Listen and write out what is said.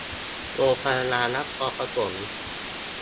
โรงพยาบาลนครปฐม